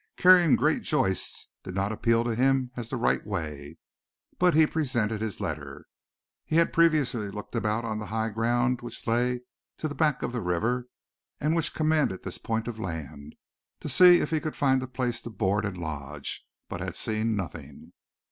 Carrying great joists did not appeal to him as the right way, but he presented his letter. He had previously looked about on the high ground which lay to the back of the river and which commanded this point of land, to see if he could find a place to board and lodge, but had seen nothing.